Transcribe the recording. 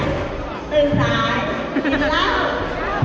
ตื่นทราย